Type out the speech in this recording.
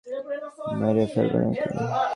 মেরে ফেলবি নাকি?